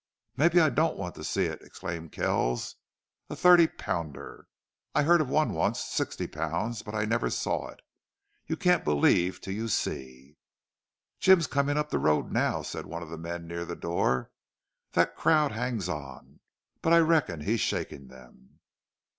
"Maybe I don't want to see it!" exclaimed Kells. "A thirty pounder! I heard of one once, sixty pounds, but I never saw it. You can't believe till you see." "Jim's comin' up the road now," said one of the men near the door. "Thet crowd hangs on.... But I reckon he's shakin' them."